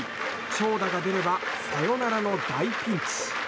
長打が出ればサヨナラの大ピンチ。